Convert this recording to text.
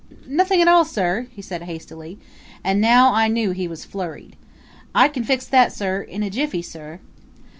"Nothing at all, sir," he said hastily; and now I knew he was flurried. "I can fix that, sir in a jiffy, sir."